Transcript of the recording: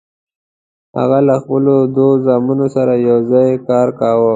هغه له خپلو دوو زامنو سره یوځای کار کاوه.